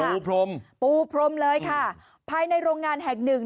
และคลิปปู้พรมเลยค่ะภายในโรงงานแห่ง๑